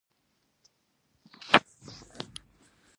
بیا یې هم خپلې لرغونې ځانګړنې تر ډېره ساتلې دي.